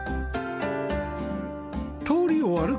通りを歩く